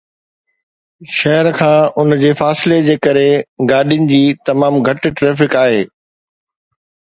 شهر کان ان جي فاصلي جي ڪري، گاڏين جي تمام گهٽ ٽرئفڪ آهي